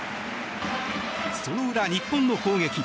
その裏、日本の攻撃。